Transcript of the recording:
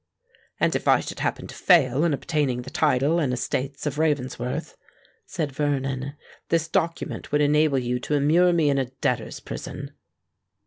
"And if I should happen to fail in obtaining the title and estates of Ravensworth," said Vernon, "this document would enable you to immure me in a debtor's prison."